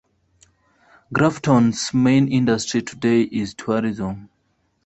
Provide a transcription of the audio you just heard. Grafton's main industry today is tourism.